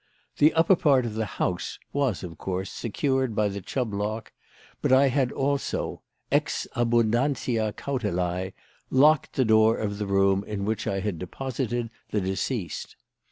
The upper part of the house was, of course, secured by the Chubb lock, but I had also ex abundantiâ cautelae locked the door of the room in which I had deposited the deceased.